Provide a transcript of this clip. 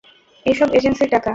এসব এজেন্সির টাকা।